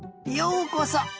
ようこそ！